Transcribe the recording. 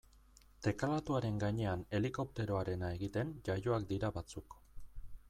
Teklatuaren gainean helikopteroarena egiten jaioak dira batzuk.